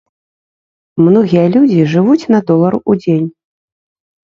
Многія людзі жывуць на долар у дзень.